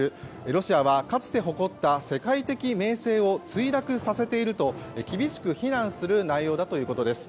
ロシアはかつて誇った世界的名声を墜落させていると厳しく非難する内容だということです。